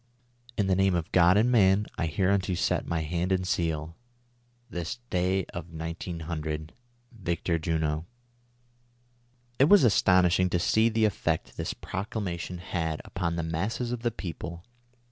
f' ^— 'I "In the name of God and man, I hereunto set 1 — ^i^my hand and seal, this day of , 1900. "Victor Juno.'" It was astonishing to see the effect this proclamation had upon the masses of the people.